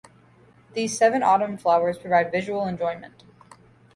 These seven autumn flowers provide visual enjoyment.